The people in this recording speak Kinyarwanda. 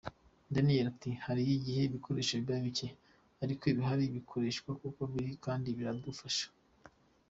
Daniel ati” Hari igihe ibikoresho biba bike ariko ibihari tubikoresha uko biri kandi biradufasha.